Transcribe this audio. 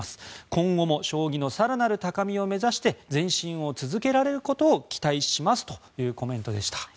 今後も将棋の更なる高みを目指して前進を続けられることを期待しますというコメントでした。